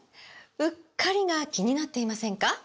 “うっかり”が気になっていませんか？